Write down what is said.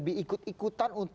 kalau kita pilih sewaktu berani